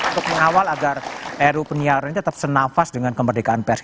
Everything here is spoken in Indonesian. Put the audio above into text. untuk mengawal agar ruu penyiaran ini tetap senafas dengan kemerdekaan pers